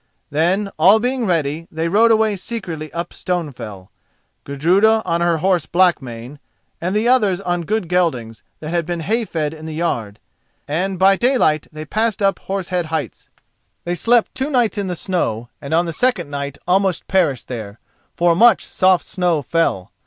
Then, all being ready, they rode away secretly up Stonefell, Gudruda on her horse Blackmane, and the others on good geldings that had been hay fed in the yard, and by daylight they passed up Horse Head Heights. They slept two nights in the snow, and on the second night almost perished there, for much soft snow fell.